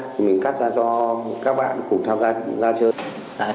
thì mình cắt ra cho các bạn cùng tham gia ra chơi